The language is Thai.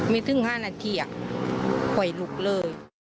นิ้วเทือนค่อยลุกเลย